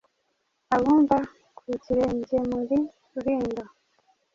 Abumva ku kirengemuri Rulindo,